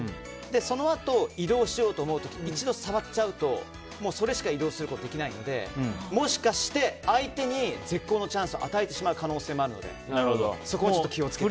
そのあと移動しようと思って一度、触っちゃうともうそれしか移動することができないのでもしかして相手に絶好のチャンスを与えてしまう可能性もあるのでそこは気を付けて。